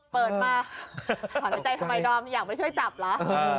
เปิดมาถอนในใจทำไมดอมอยากไปช่วยจับเหรอ